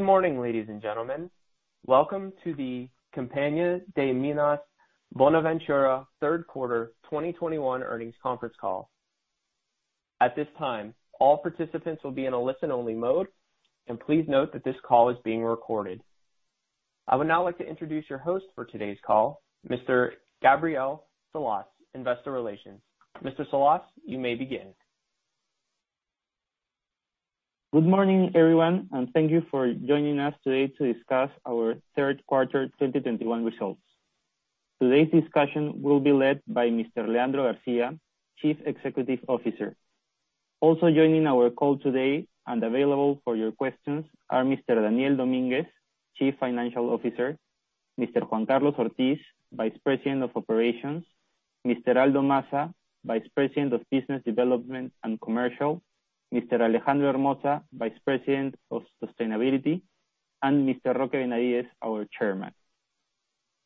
Good morning, ladies and gentlemen. Welcome to the Compañía de Minas Buenaventura Third Quarter 2021 Earnings Conference Call. At this time, all participants will be in a listen only mode. Please note that this call is being recorded. I would now like to introduce your host for today's call, Mr. Gabriel Solís, Investor Relations. Mr. Solís, you may begin. Good morning, everyone, and thank you for joining us today to discuss our Third Quarter 2021 Results. Today's discussion will be led by Mr. Leandro Garcia, Chief Executive Officer. Also joining our call today and available for your questions are Mr. Daniel Dominguez, Chief Financial Officer, Mr. Juan Carlos Ortiz, Vice President of Operations, Mr. Aldo Massa, Vice President of Business Development and Commercial, Mr. Alejandro Hermoza, Vice President of Sustainability, and Mr. Roque Benavides, our Chairman.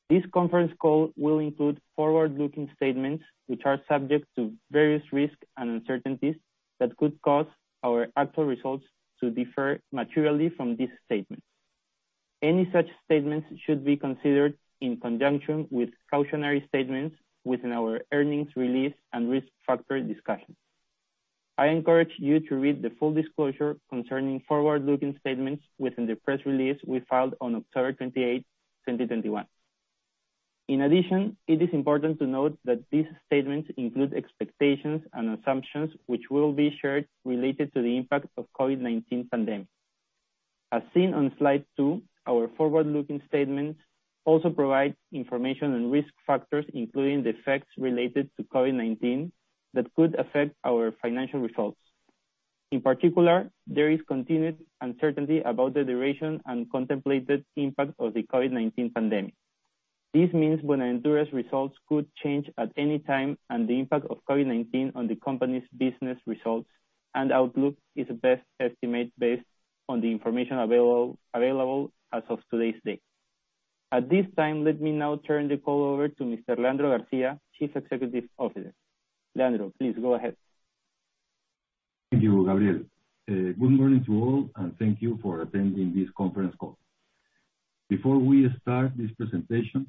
This conference call will include forward-looking statements which are subject to various risks and uncertainties that could cause our actual results to differ materially from these statements. Any such statements should be considered in conjunction with cautionary statements within our earnings release and risk factor discussion. I encourage you to read the full disclosure concerning forward-looking statements within the press release we filed on October 28, 2021. In addition, it is important to note that these statements include expectations and assumptions which will be shared related to the impact of COVID-19 pandemic. As seen on slide two, our forward-looking statements also provide information on risk factors, including the effects related to COVID-19 that could affect our financial results. In particular, there is continued uncertainty about the duration and contemplated impact of the COVID-19 pandemic. This means Buenaventura's results could change at any time, and the impact of COVID-19 on the company's business results and outlook is best estimated based on the information available as of today's date. At this time, let me now turn the call over to Mr. Leandro Garcia, Chief Executive Officer. Leandro, please go ahead. Thank you, Gabriel. Good morning to all, and thank you for attending this conference call. Before we start this presentation,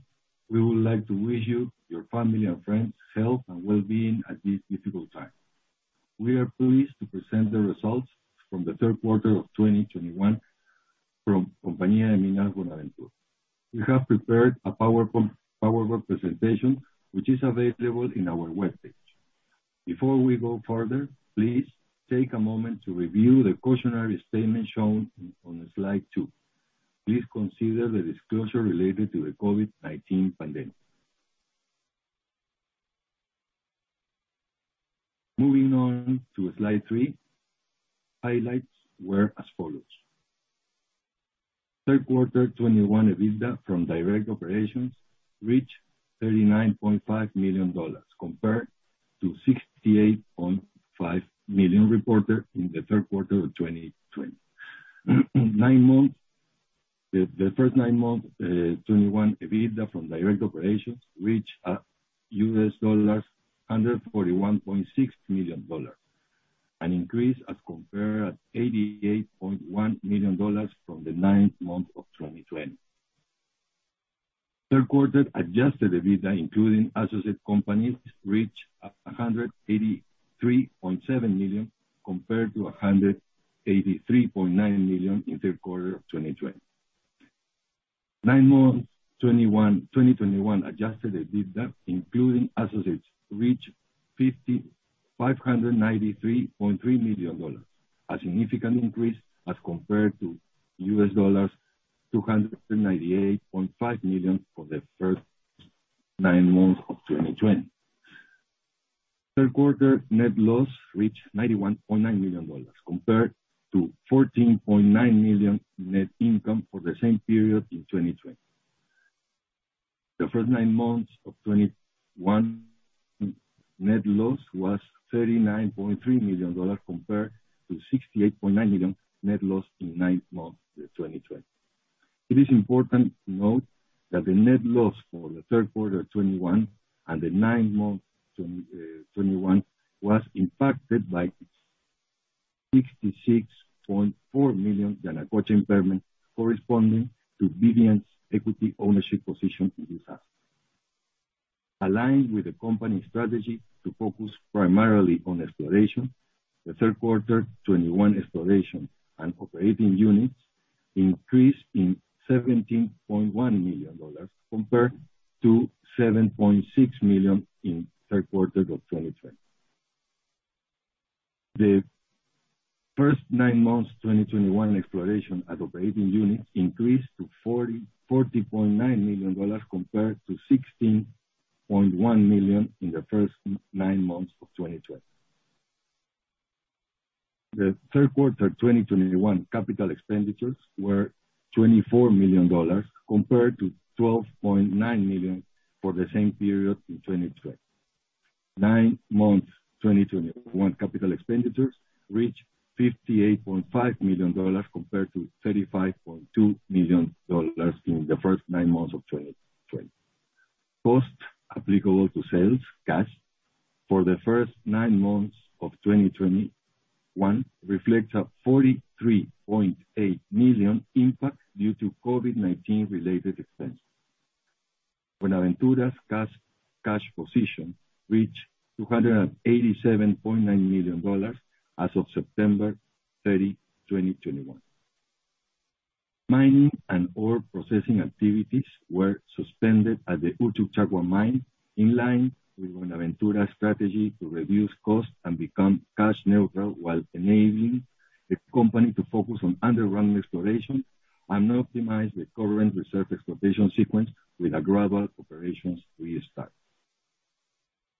we would like to wish you, your family, and friends health and well-being at this difficult time. We are pleased to present the results from the third quarter of 2021 from Compañía de Minas Buenaventura. We have prepared a PowerPoint presentation which is available in our webpage. Before we go further, please take a moment to review the cautionary statement shown on slide two. Please consider the disclosure related to the COVID-19 pandemic. Moving on to slide three, highlights were as follows. Third quarter '21 EBITDA from direct operations reached $39.5 million compared to $68.5 million reported in the third quarter of 2020. The first nine months 2021 EBITDA from direct operations reached $141.6 million, an increase as compared to $88.1 million from the first nine months of 2020. Third quarter adjusted EBITDA, including associated companies, reached $183.7 million, compared to $183.9 million in third quarter of 2020. Nine months 2021 adjusted EBITDA, including associates, reached $593.3 million, a significant increase as compared to $298.5 million for the first nine months of 2020. Third quarter net loss reached $91.9 million, compared to $14.9 million net income for the same period in 2020. The first nine months of 2021 net loss was $39.3 million compared to $68.9 million net loss in the nine months of 2020. It is important to note that the net loss for the third quarter of 2021 and the nine months of 2021 was impacted by $66.4 million Yanacocha impairment corresponding to Buenaventura's equity ownership position in this asset. Aligned with the company's strategy to focus primarily on exploration, the third quarter 2021 exploration and operating expenses increased by $17.1 million compared to $7.6 million in third quarter of 2020. The first nine months 2021 exploration and operating expenses increased to $40.9 million compared to $16.1 million in the first nine months of 2020. The third quarter 2021 capital expenditures were $24 million compared to $12.9 million for the same period in 2020. Nine months 2021 capital expenditures reached $58.5 million compared to $35.2 million in the first nine months of 2020. Cost applicable to sales cash for the first nine months of 2021 reflects a $43.8 million impact due to COVID-19 related expenses. Buenaventura's cash position reached $287.9 million as of September 30, 2021. Mining and ore processing activities were suspended at the Uchucchacua mine in line with Buenaventura's strategy to reduce costs and become cash neutral while enabling the company to focus on underground exploration and optimize the current reserve exploitation sequence with a gradual operations restart.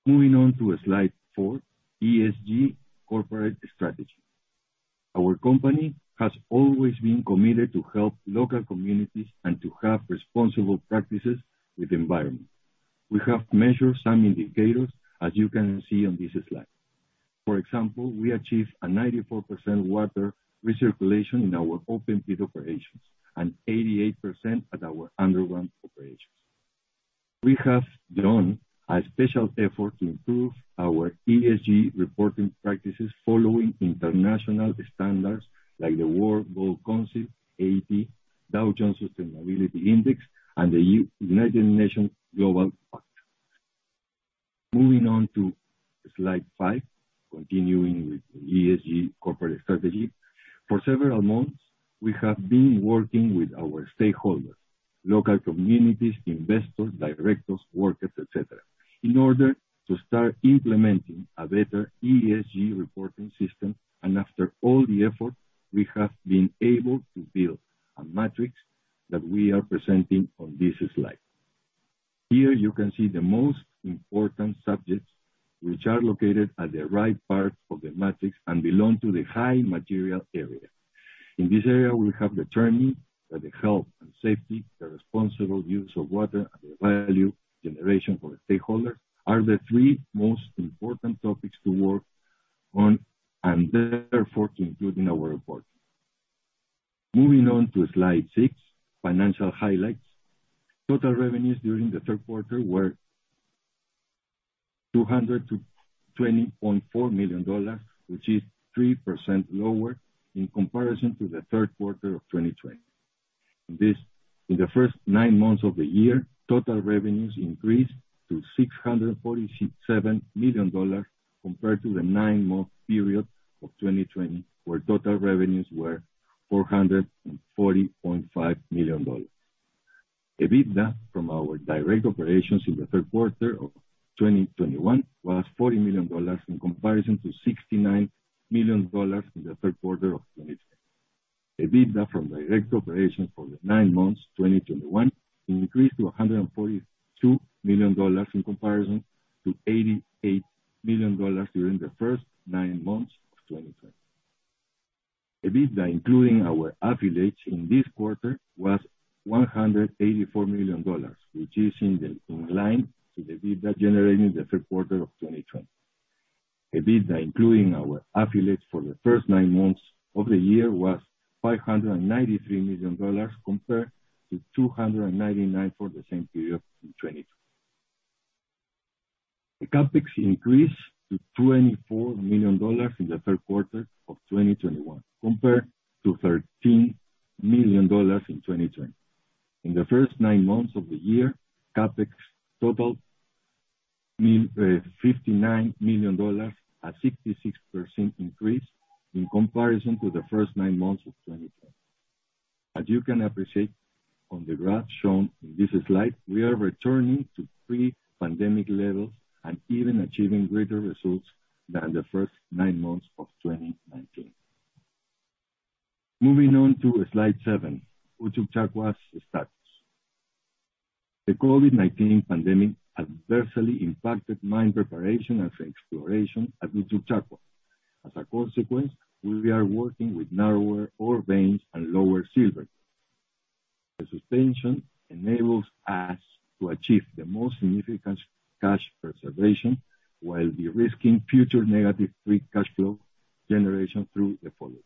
Moving on to slide 4, ESG corporate strategy. Our company has always been committed to help local communities and to have responsible practices with the environment. We have measured some indicators, as you can see on this slide. For example, we achieve a 94% water recirculation in our open pit operations and 88% at our underground operations. We have done a special effort to improve our ESG reporting practices following international standards like the World Gold Council and Dow Jones Sustainability Index, and the United Nations Global Compact. Moving on to slide 5, continuing with the ESG corporate strategy. For several months, we have been working with our stakeholders, local communities, investors, directors, workers, et cetera, in order to start implementing a better ESG reporting system. After all the effort, we have been able to build a matrix that we are presenting on this slide. Here you can see the most important subjects, which are located at the right part of the matrix and belong to the high material area. In this area, we have determined that the health and safety, the responsible use of water, and the value generation for the stakeholder are the three most important topics to work on and therefore to include in our report. Moving on to Slide 6, financial highlights. Total revenues during the third quarter were $220.4 million, which is 3% lower in comparison to the third quarter of 2020. This, in the first nine months of the year, total revenues increased to $647 million compared to the nine-month period of 2020, where total revenues were $440.5 million. EBITDA from our direct operations in the third quarter of 2021 was $40 million, in comparison to $69 million in the third quarter of 2020. EBITDA from direct operations for the nine months 2021 increased to $142 million, in comparison to $88 million during the first nine months of 2020. EBITDA, including our affiliates in this quarter, was $184 million, which is in line with the EBITDA generated in the third quarter of 2020. EBITDA, including our affiliates for the first nine months of the year, was $593 million, compared to $299 million for the same period in 2020. CapEx increased to $24 million in the third quarter of 2021, compared to $13 million in 2020. In the first nine months of the year, CapEx totaled $59 million, a 66% increase in comparison to the first nine months of 2020. As you can appreciate on the graph shown in this slide, we are returning to pre-pandemic levels and even achieving greater results than the first nine months of 2019. Moving on to slide seven, Uchucchacua's status. The COVID-19 pandemic adversely impacted mine preparation and exploration at Uchucchacua. As a consequence, we are working with narrower ore veins and lower silver. The suspension enables us to achieve the most significant cash preservation while de-risking future negative free cash flow generation through the following.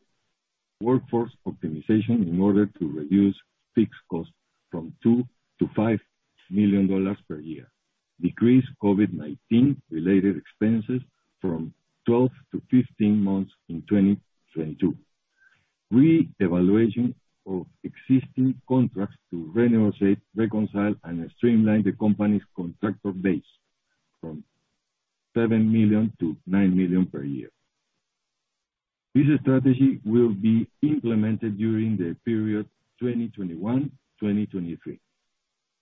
Workforce optimization in order to reduce fixed costs from $2 million to $5 million per year. Decrease COVID-19 related expenses from 12 to 15 months in 2022. Reevaluation of existing contracts to renegotiate, reconcile, and streamline the company's contractor base from $7 million-$9 million per year. This strategy will be implemented during the period 2021-2023,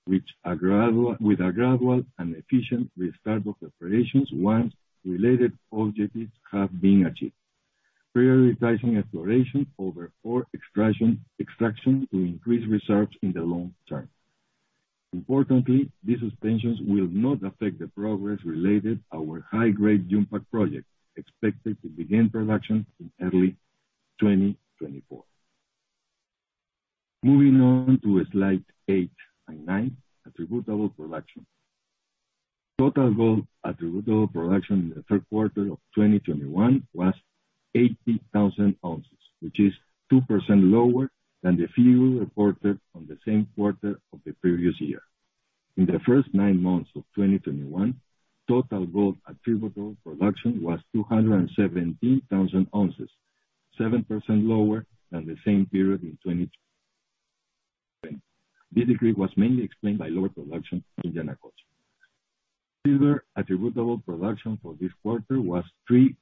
with a gradual and efficient restart of operations once related objectives have been achieved. Prioritizing exploration over ore extraction to increase reserves in the long term. Importantly, these suspensions will not affect the progress related to our high-grade Yumpag project, expected to begin production in early 2024. Moving on to slide 8 and 9, attributable production. Total gold attributable production in the third quarter of 2021 was 80,000 ounces, which is 2% lower than the figure reported in the same quarter of the previous year. In the first 9 months of 2021, total gold attributable production was 217,000 ounces, 7% lower than the same period in 2020. This decrease was mainly explained by lower production in Yanacocha. Silver attributable production for this quarter was 3.6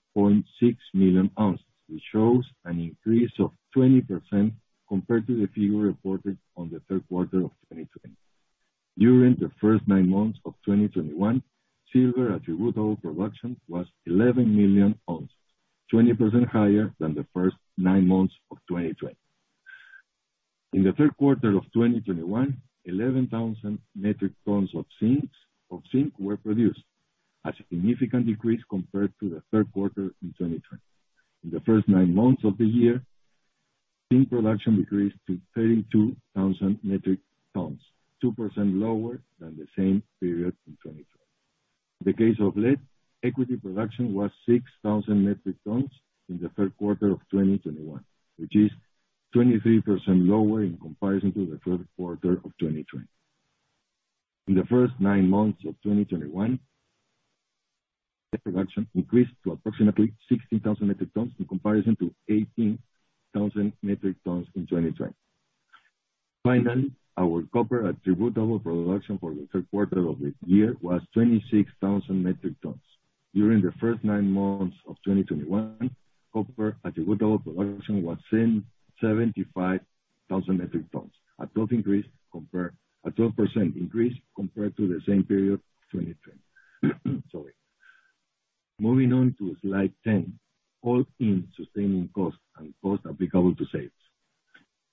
million ounces, which shows an increase of 20% compared to the figure reported in the third quarter of 2020. During the first 9 months of 2021, silver attributable production was 11 million ounces, 20% higher than the first 9 months of 2020. In the third quarter of 2021, 11,000 metric tons of zinc were produced, a significant decrease compared to the third quarter in 2020. In the first 9 months of the year, zinc production decreased to 32,000 metric tons, 2% lower than the same period in 2020. In the case of lead, equity production was 6,000 metric tons in the third quarter of 2021, which is 23% lower in comparison to the third quarter of 2020. In the first nine months of 2021, lead production increased to approximately 16,000 metric tons, in comparison to 18,000 metric tons in 2020. Finally, our copper attributable production for the third quarter of the year was 26,000 metric tons. During the first nine months of 2021, copper attributable production was 75,000 metric tons, a 12% increase compared to the same period, 2020. Sorry. Moving on to slide 10, all-in sustaining cost and cost applicable to sales.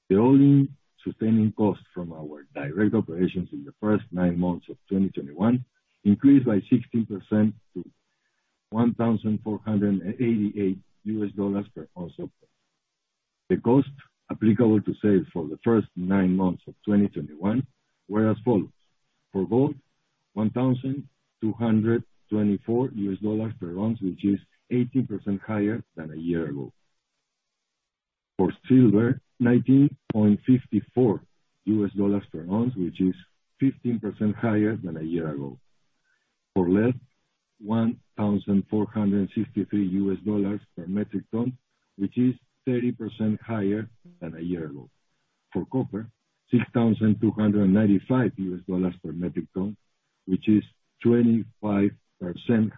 The all-in sustaining cost from our direct operations in the first nine months of 2021 increased by 16% to $1,488 per ounce of gold. The cost applicable to sales for the first nine months of 2021 were as follows: For gold, $1,224 per ounce, which is 18% higher than a year ago. For silver, $19.54 per ounce, which is 15% higher than a year ago. For lead, $1,463 per metric ton, which is 30% higher than a year ago. For copper, $6,295 per metric ton, which is 25%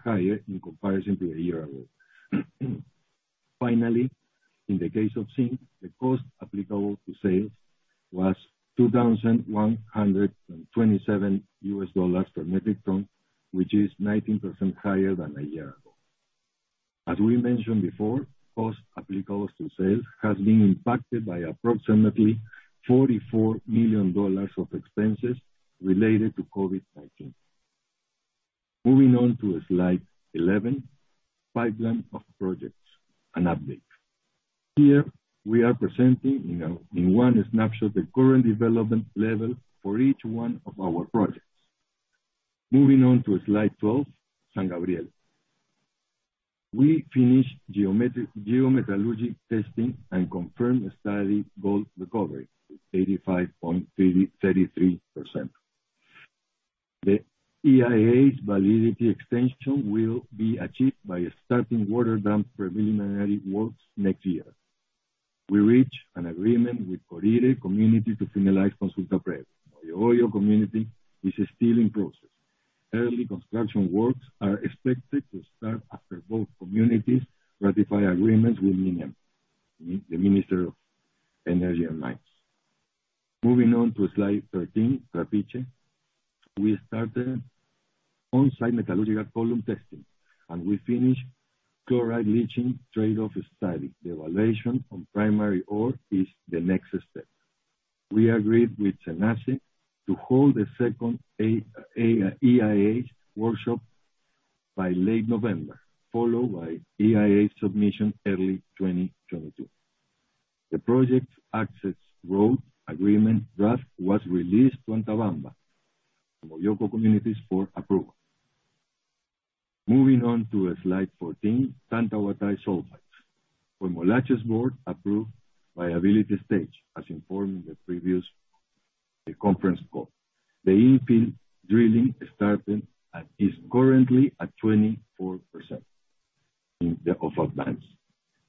higher in comparison to a year ago. Finally, in the case of zinc, the cost applicable to sales was $2,127 per metric ton, which is 19% higher than a year ago. As we mentioned before, cost applicable to sales has been impacted by approximately $44 million of expenses related to COVID-19. Moving on to slide 11, pipeline of projects and updates. Here, we are presenting in one snapshot the current development level for each one of our projects. Moving on to slide 12, San Gabriel. We finished geometallurgy testing and confirmed the study gold recovery, 85.33%. The EIA's validity extension will be achieved by starting water dam preliminary works next year. We reached an agreement with Corire community to finalize Consulta Previa. Moyobamba community is still in process. Early construction works are expected to start after both communities ratify agreements with Minem, the Minister of Energy and Mines. Moving on to slide 13, Trapiche. We started on-site metallurgical column testing, and we finished chloride leaching trade-off study. The evaluation on primary ore is the next step. We agreed with Senace to hold a second EIA workshop by late November, followed by EIA submission early 2022. The project access road agreement draft was released to Antabamba and Mollocco communities for approval. Moving on to slide 14, Tantahuatay sulfides. Coimolache's board approved viability stage, as informed in the previous conference call. The in-field drilling started and is currently at 24% of the advance.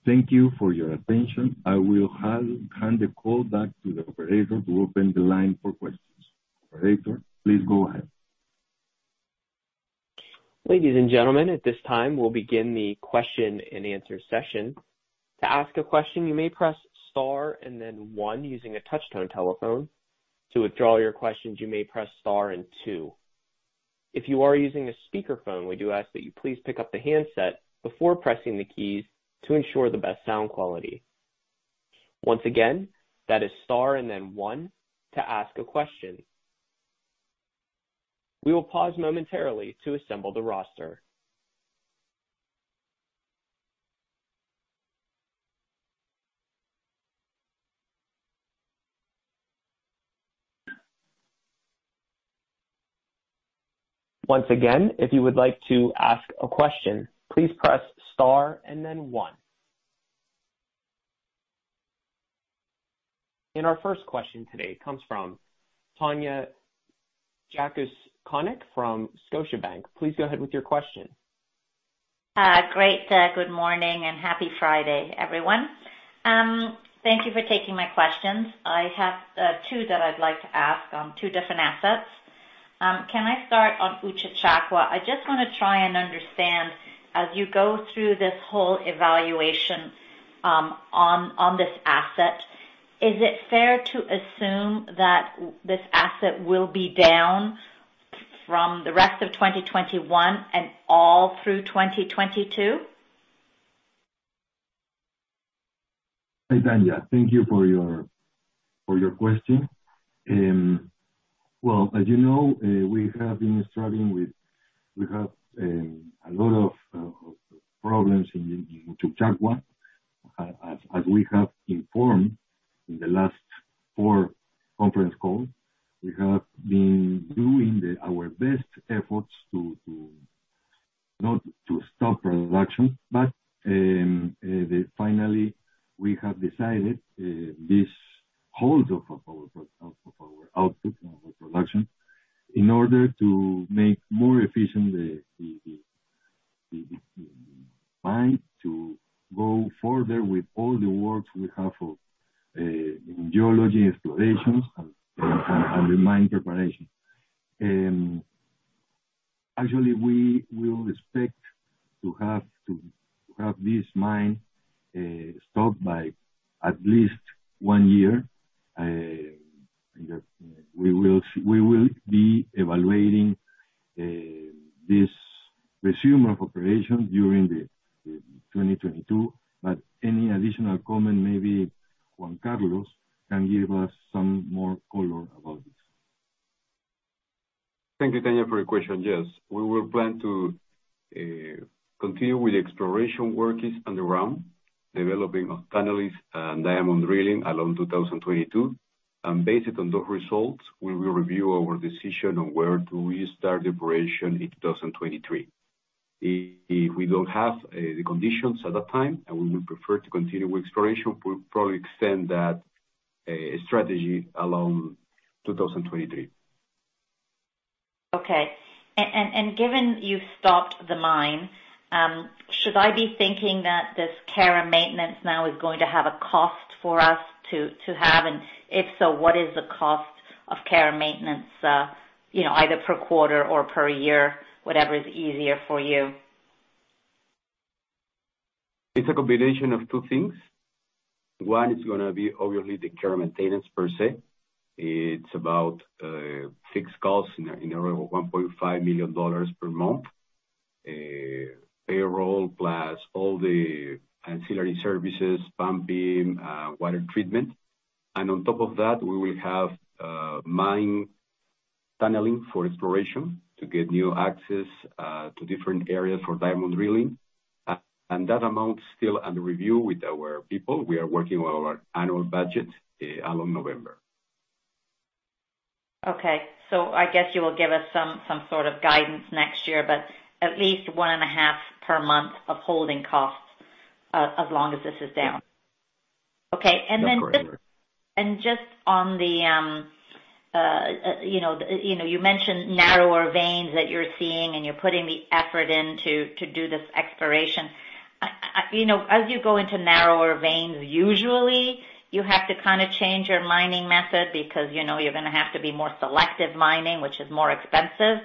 Thank you for your attention. I will hand the call back to the operator to open the line for questions. Operator, please go ahead. Ladies and gentlemen, at this time, we'll begin the question and answer session. To ask a question, you may press star and then one using a touchtone telephone. To withdraw your questions, you may press star and two. If you are using a speakerphone, we do ask that you please pick up the handset before pressing the keys to ensure the best sound quality. Once again, that is star and then one to ask a question. We will pause momentarily to assemble the roster. Once again, if you would like to ask a question, please press star and then one. Our first question today comes from Tanya Jakusconek from Scotiabank. Please go ahead with your question. Great. Good morning, and happy Friday, everyone. Thank you for taking my questions. I have two that I'd like to ask on two different assets. Can I start on Uchucchacua? I just want to try and understand, as you go through this whole evaluation, on this asset, is it fair to assume that this asset will be down from the rest of 2021 and all through 2022? Hi, Tanya. Thank you for your question. Well, as you know, we have been struggling with a lot of problems in Uchucchacua. As we have informed in the last four conference calls, we have been doing our best efforts to not stop production, but finally we have decided to hold our production in order to make more efficient the mine to go further with all the works we have for geology explorations and mine preparation. Actually, we expect to have this mine stopped for at least one year. We will be evaluating this resumption of operation during 2022. Any additional comment, maybe Juan Carlos can give us some more color about this. Thank you, Tanya, for your question. Yes. We will plan to continue with the exploration workings underground, developing of tunnels and diamond drilling along 2022. Based on those results, we will review our decision on whether to restart the operation in 2023. If we don't have the conditions at that time and we will prefer to continue with exploration, we'll probably extend that strategy along 2023. Okay. Given you've stopped the mine, should I be thinking that this care and maintenance now is going to have a cost for us to have? If so, what is the cost of care and maintenance, you know, either per quarter or per year, whatever is easier for you. It's a combination of two things. One is gonna be obviously the care and maintenance per se. It's about fixed costs in the range of $1.5 million per month, payroll plus all the ancillary services, pumping, water treatment. On top of that, we will have mine tunneling for exploration to get new access to different areas for diamond drilling. That amount's still under review with our people. We are working on our annual budget in November. Okay. I guess you will give us some sort of guidance next year. At least 1.5 per month of holding costs as long as this is down. Okay. just- That's correct. Just on the, you know, you mentioned narrower veins that you're seeing, and you're putting the effort in to do this exploration. I, you know, as you go into narrower veins, usually you have to kinda change your mining method because you know you're gonna have to be more selective mining, which is more expensive.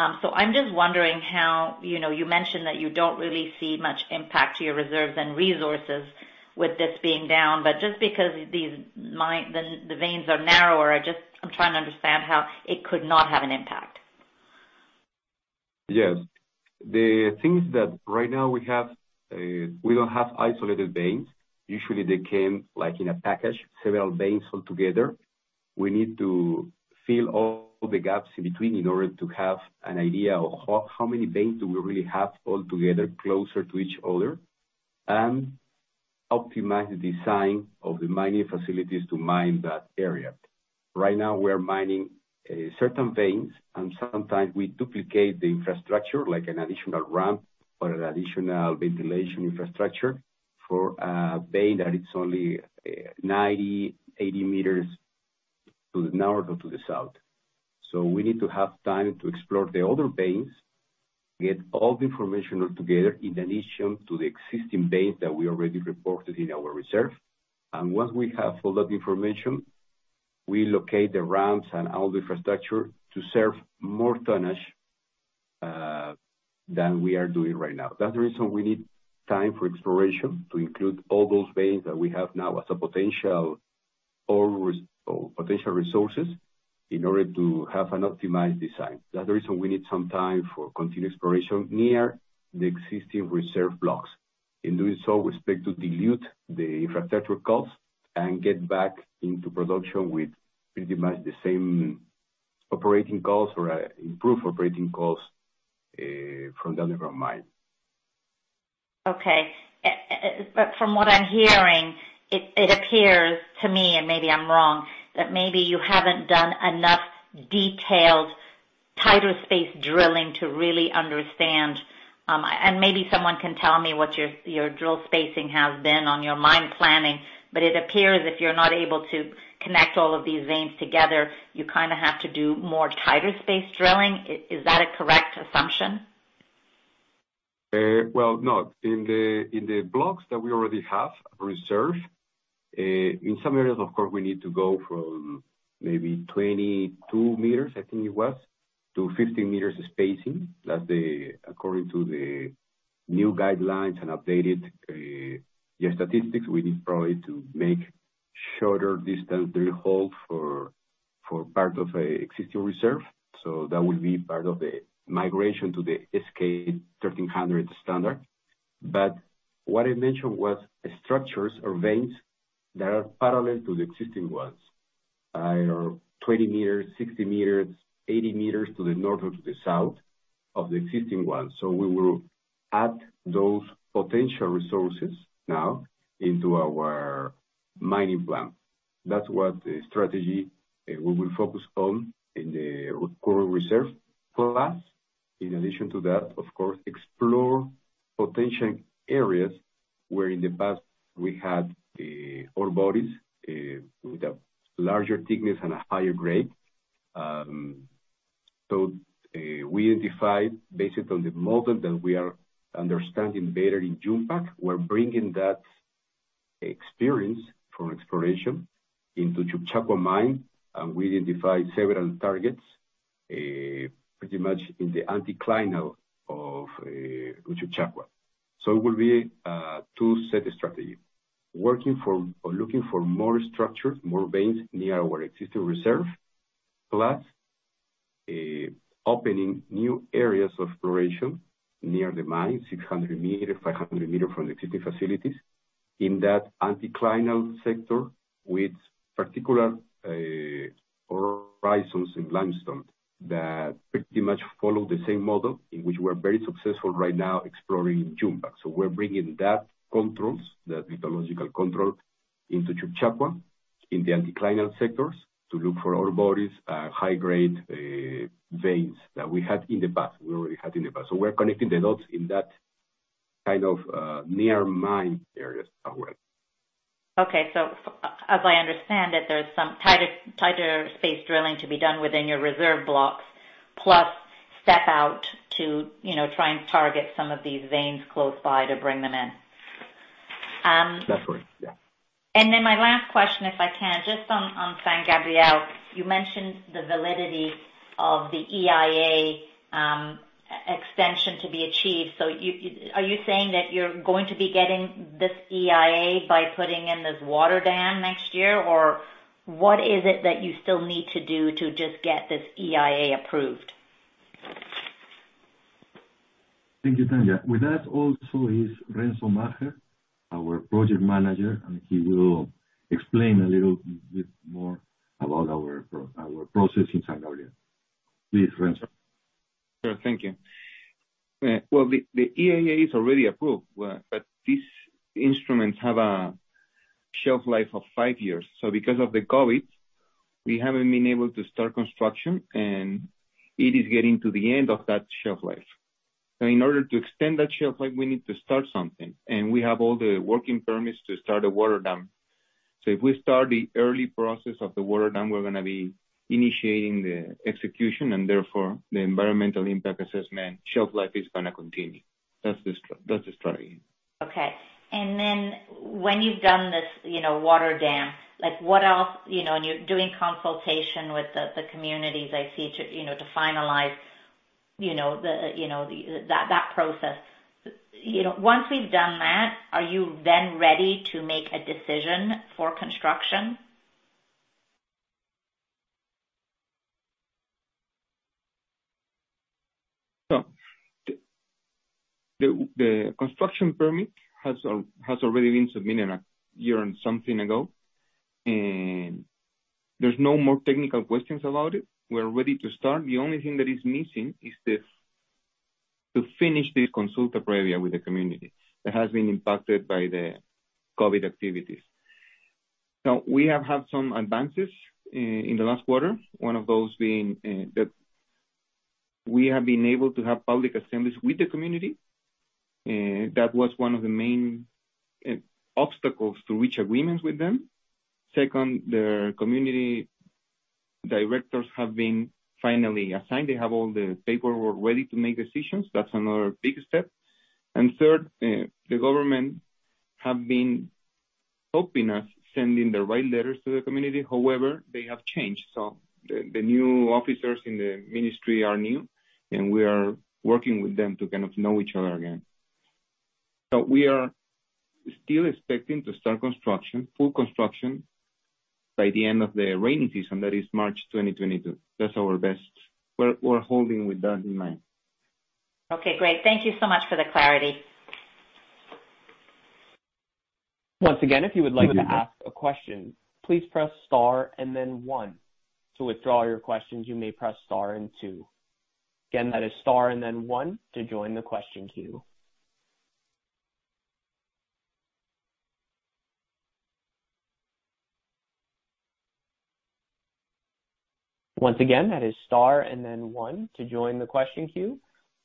I'm just wondering how, you know, you mentioned that you don't really see much impact to your reserves and resources with this being down. Just because the veins are narrower, I just, I'm trying to understand how it could not have an impact. Yes. The things that right now we have, we don't have isolated veins. Usually they came, like, in a package, several veins all together. We need to fill all the gaps in between in order to have an idea of how many veins do we really have all together closer to each other and optimize the design of the mining facilities to mine that area. Right now we're mining certain veins, and sometimes we duplicate the infrastructure, like an additional ramp or an additional ventilation infrastructure for a vein that it's only 90, 80 meters to the north or to the south. We need to have time to explore the other veins, get all the information all together in addition to the existing veins that we already reported in our reserve. Once we have all that information, we locate the ramps and all the infrastructure to serve more tonnage than we are doing right now. That's the reason we need time for exploration to include all those veins that we have now as potential resources in order to have an optimized design. That's the reason we need some time for continued exploration near the existing reserve blocks. In doing so, we expect to dilute the infrastructure costs and get back into production with pretty much the same operating costs or improved operating costs from the underground mine. Okay. From what I'm hearing, it appears to me, and maybe I'm wrong, that maybe you haven't done enough detailed tighter space drilling to really understand. Maybe someone can tell me what your drill spacing has been on your mine planning. It appears if you're not able to connect all of these veins together, you kinda have to do more tighter space drilling. Is that a correct assumption? Well, no. In the blocks that we already have reserved, in some areas, of course, we need to go from maybe 22 meters, I think it was, to 15 m spacing. That's according to the new guidelines and updated statistics. We need probably to make shorter distance drill hole for part of an existing reserve. That will be part of the migration to the S-K 1300 standard. What I mentioned was structures or veins that are parallel to the existing ones. You know, 20 meters, 60 meters, 80 meters to the north or to the south of the existing ones. We will add those potential resources now into our mining plan. That's what the strategy we will focus on in the core reserve. In addition to that, of course, explore potential areas where in the past we had ore bodies with a larger thickness and a higher grade. We identified basically the model that we are understanding better in Yumpa. We're bringing that experience from exploration into Uchucchacua mine, and we identified several targets pretty much in the anticlinal of Uchucchacua. It will be two-set strategy. Working for or looking for more structures, more veins near our existing reserve, plus opening new areas of exploration near the mine, 600m, 500m from the existing facilities in that anticlinal sector with particular horizons in limestone that pretty much follow the same model in which we're very successful right now exploring Yumpag. We're bringing that lithological control into Uchucchacua in the anticlinal sectors to look for ore bodies, high-grade veins that we already had in the past. We're connecting the dots in that kind of near-mine areas as well. Okay. As I understand it, there's some tighter space drilling to be done within your reserve blocks, plus step out to, you know, try and target some of these veins close by to bring them in. That's right. Yeah. My last question, if I can, just on San Gabriel. You mentioned the validity of the EIA extension to be achieved. So are you saying that you're going to be getting this EIA by putting in this water dam next year? Or what is it that you still need to do to just get this EIA approved? Thank you, Tanya. With that also is Renzo Macher, our project manager, and he will explain a little bit more about our process in San Gabriel. Please, Renzo. Sure. Thank you. The EIA is already approved. These instruments have a shelf life of five years. Because of the COVID-19, we haven't been able to start construction, and it is getting to the end of that shelf life. In order to extend that shelf life, we need to start something. We have all the working permits to start a water dam. If we start the early process of the water dam, we're gonna be initiating the execution, and therefore, the environmental impact assessment shelf life is gonna continue. That's the strategy. Okay. Then when you've done this, you know, water dam, like what else, you know, and you're doing consultation with the communities is to, you know, to finalize, you know, the process. Once we've done that, are you then ready to make a decision for construction? The construction permit has already been submitted a year and something ago. There's no more technical questions about it. We're ready to start. The only thing that is missing is this, to finish the Consulta Previa with the community that has been impacted by the COVID-19 activities. Now, we have had some advances in the last quarter. One of those being, that we have been able to have public assemblies with the community. That was one of the main obstacles to reach agreements with them. Second, the community directors have been finally assigned. They have all the paperwork ready to make decisions. That's another big step. Third, the government have been helping us, sending the right letters to the community. However, they have changed. The new officers in the ministry are new, and we are working with them to kind of know each other again. We are still expecting to start construction, full construction by the end of the rainy season, that is March 2022. That's our best. We're holding with that in mind. Okay, great. Thank you so much for the clarity.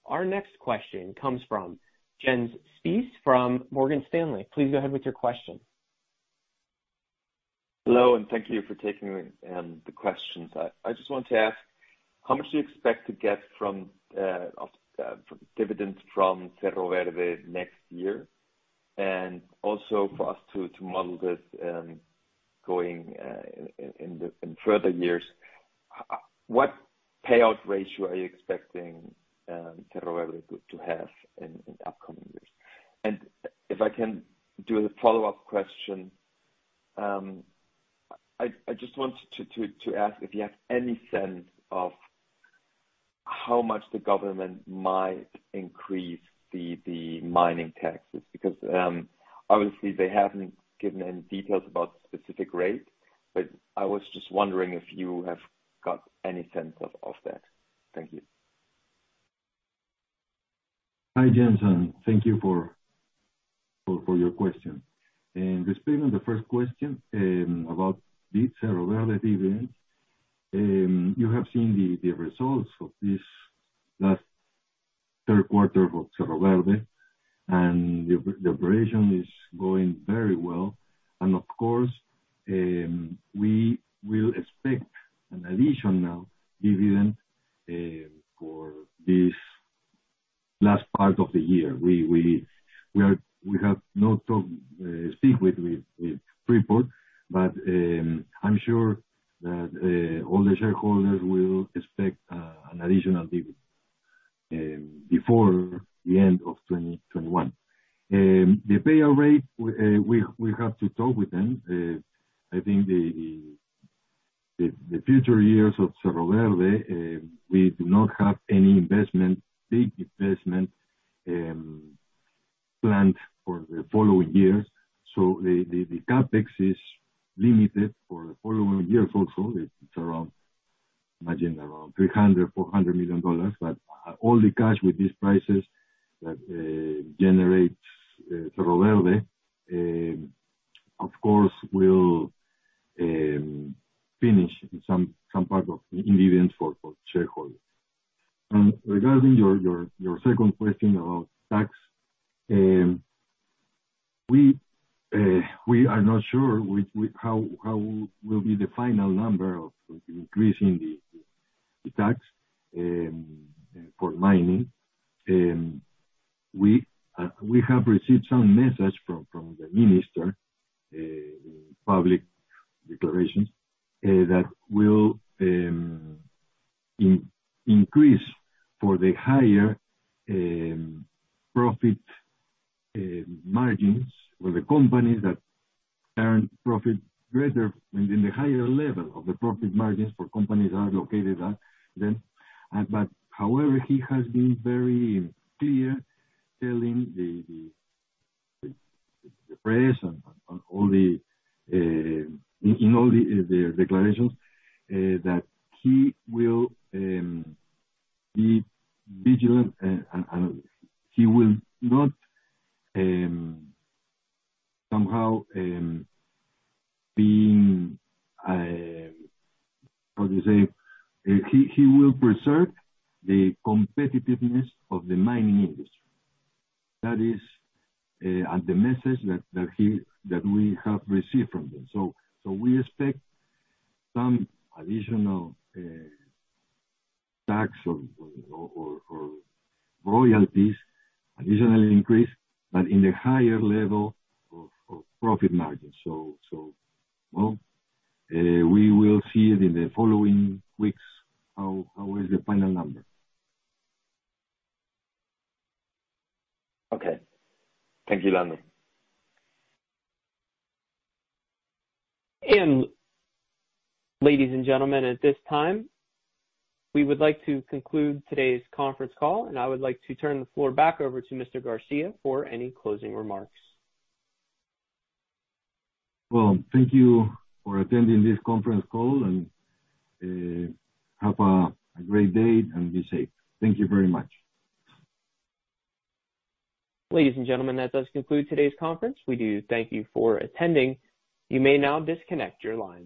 Our next question comes from Jens Spiess from Morgan Stanley. Please go ahead with your question. Hello, and thank you for taking the questions. I just want to ask, how much do you expect to get from dividends from Cerro Verde next year? Also for us to model this, going in the further years, what payout ratio are you expecting Cerro Verde to have in upcoming years? If I can do the follow-up question, I just wanted to ask if you have any sense of how much the government might increase the mining taxes. Because obviously they haven't given any details about specific rate, but I was just wondering if you have got any sense of that. Thank you. Hi, Jens, and thank you for your question. Responding to the first question about the Cerro Verde dividend. You have seen the results of this last third quarter of Cerro Verde, and the operation is going very well. Of course, we will expect an additional dividend for this last part of the year. We have not talked with Freeport-McMoRan, but I'm sure that all the shareholders will expect an additional dividend before the end of 2021. The payout rate, we have to talk with them. I think the future years of Cerro Verde, we do not have any big investment planned for the following years. The CapEx is limited for the following years also. It's around $300-$400 million. All the cash with these prices that generates Cerro Verde, of course will finish some part of dividends for shareholders. Regarding your second question about tax, we are not sure with how will be the final number of increasing the tax for mining. We have received some message from the minister in public declarations that will increase for the higher profit margins for the companies that earn profit greater and in the higher level of the profit margins for companies that are located at them. He has been very clear telling the press in all the declarations that he will be vigilant and he will preserve the competitiveness of the mining industry. That is the message that we have received from him. We expect some additional tax or royalties additional increase, but in the higher level of profit margins. Well, we will see it in the following weeks how is the final number. Okay. Thank you, Jens. Ladies and gentlemen, at this time, we would like to conclude today's conference call, and I would like to turn the floor back over to Mr. Garcia for any closing remarks. Well, thank you for attending this conference call, and have a great day and be safe. Thank you very much. Ladies and gentlemen, that does conclude today's conference. We do thank you for attending. You may now disconnect your lines.